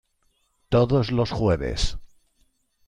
Todos los jueves.